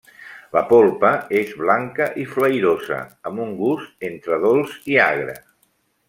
La polpa és blanca i flairosa amb un gust entre dolç i agre.